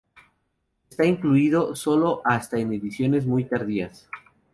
Está incluido sólo hasta en ediciones muy tardías.